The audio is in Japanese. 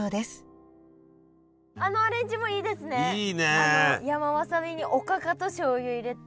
あの山わさびにおかかとしょうゆ入れて。